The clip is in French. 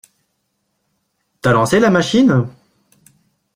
T'as lancé la machine?